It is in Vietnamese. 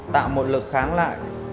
tạo một lực kháng lại